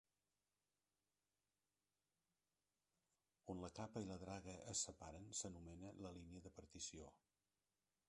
On la capa i la draga es separen s'anomena la línia de partició.